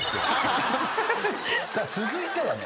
さあ続いてはね